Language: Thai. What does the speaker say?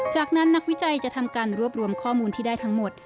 จากนั้นนักวิจัยจะทำการรวบรวมข้อมูลที่ได้ทั้งหมด